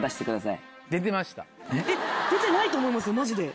出てないと思いますマジで。